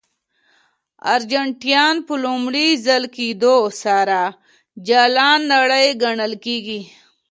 ارجنټاین په لومړي ځل لیدو سره جلا نړۍ ګڼل کېږي.